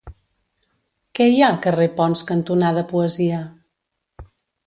Què hi ha al carrer Ponts cantonada Poesia?